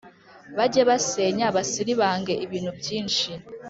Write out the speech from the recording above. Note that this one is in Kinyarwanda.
Bajye basenya basiribange ibintu byinshi